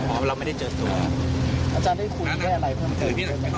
ไม่ทราบอ๋อเราไม่ได้เจอตัวอาจารย์ได้คุยด้วยอะไรเพิ่มเธอ